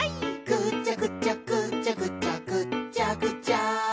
「ぐちゃぐちゃぐちゃぐちゃぐっちゃぐちゃ」